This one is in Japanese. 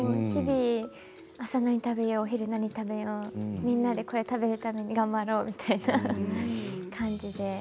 朝、何食べようお昼、何食べようみんなでこれを食べるために頑張ろうみたいな感じで。